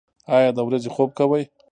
ایا د ورځې خوب کوئ؟